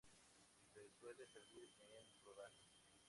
Se suele servir en rodajas.